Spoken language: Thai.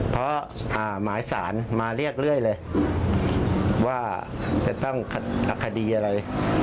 เพราะหมายสารมาเรียกเรื่อยเลยว่าจะต้องคดีอะไร